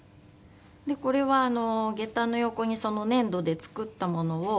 これは下駄の横にその粘土で作ったものを。